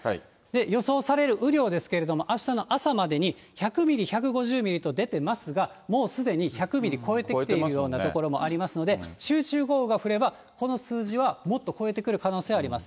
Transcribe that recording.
予想される雨量ですけれども、あしたの朝までに、１００ミリ、１５０ミリと出てますが、もうすでに１００ミリ超えてきているような所もありますので、集中豪雨が降れば、この数字はもっと超えてくる可能性はあります。